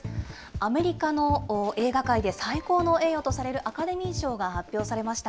アメリカの映画界で最高の栄誉とされるアカデミー賞が発表されました。